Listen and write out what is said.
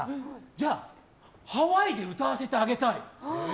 じゃあハワイで歌わせてあげたい。